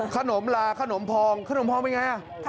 ขนมลาขนมพองขนมพองเป็นไง